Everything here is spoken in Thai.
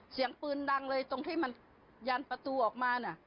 เสียงปืนดังเลยตรงที่มันยันประตูออกมาน่ะ